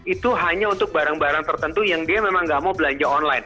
itu hanya untuk barang barang tertentu yang dia memang nggak mau belanja online